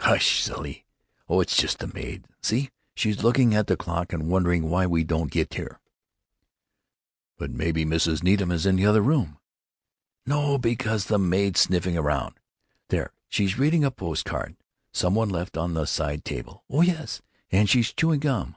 "Hush, silly.... Oh, it's just the maid. See, she's looking at the clock and wondering why we don't get here." "But maybe Mrs. Needham 's in the other room." "No. Because the maid's sniffing around—there, she's reading a post card some one left on the side table. Oh yes, and she's chewing gum.